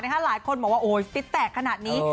หลายคนบอกว่าโอ๊ยฟิตแตกขนาดนี้